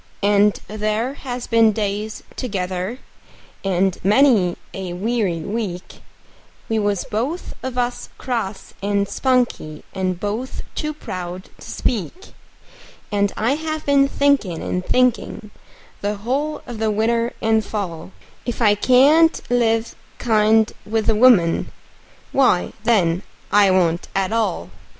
And there has been days together and many a weary week We was both of us cross and spunky, and both too proud to speak; And I have been thinkin' and thinkin', the whole of the winter and fall, If I can't live kind with a woman, why, then, I won't at all.